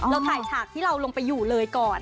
เราถ่ายฉากที่เราลงไปอยู่เลยก่อน